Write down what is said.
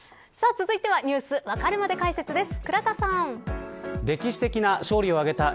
続いてはニュースわかるまで解説です。